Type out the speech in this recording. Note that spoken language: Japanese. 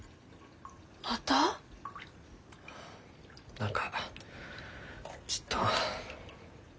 何かちっと。